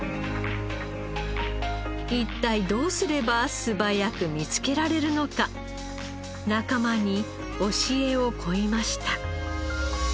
一体どうすれば素早く見つけられるのか仲間に教えを請いました。